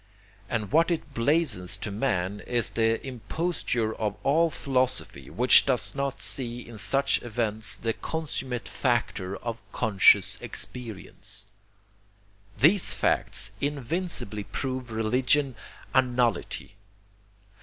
And what it blazons to man is the ... imposture of all philosophy which does not see in such events the consummate factor of conscious experience. These facts invincibly prove religion a nullity.